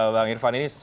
bang irfan ini